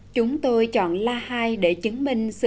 chúng tôi chọn la hai để chứng minh sự trù phú